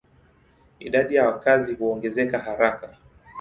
Idadi ya wakazi huongezeka haraka.